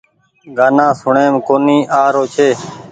گآنا سوڻيم ڪونيٚ آ رو ڇي